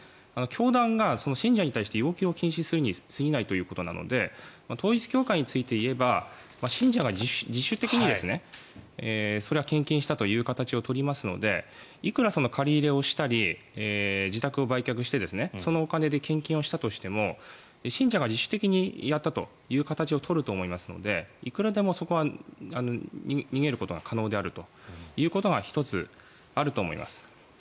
教団が信者に対して要求を禁止するにすぎないということなので統一教会についていえば信者が自主的にそれは献金したという形を取りますのでいくら借り入れをしたり自宅を売却してそのお金で献金をしたとしても信者が自主的にやったという形を取ると思いますのでいくらでもそこは、逃げることが可能であるということが１つあると思います。